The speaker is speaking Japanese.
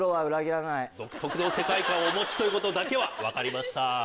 独特の世界観をお持ちということだけは分かりました。